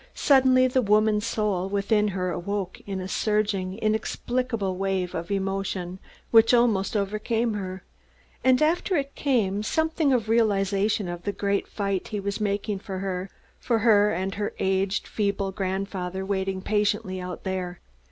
Suddenly the woman soul within her awoke in a surging, inexplicable wave of emotion which almost overcame her; and after it came something of realization of the great fight he was making for her for her, and the aged, feeble grandfather waiting patiently out there.